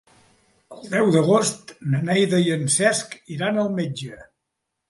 El deu d'agost na Neida i en Cesc iran al metge.